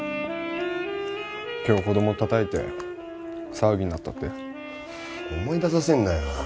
今日子どもたたいて騒ぎになったって思い出させんなよ